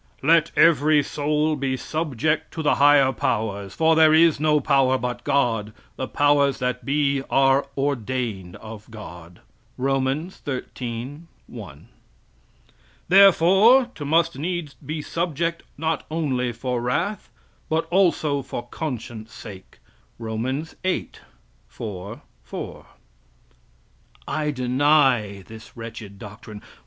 "Let every soul be subject to the higher powers; For there is no power but God: the powers that be are ordained of God." Rom. xiii, I. "Therefore to must needs be subject not only for wrath, but also for conscience sake." Rom. viii, 4, 4. (I deny this wretched doctrine.